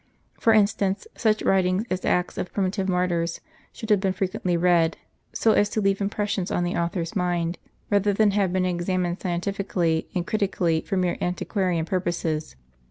For instance, such writings as the Acts of primitive Martyrs should have been frequently read, so as to leave impressions on the author"' s mind, rather than have been examined scientifically and critically for mere antiquarian purposes.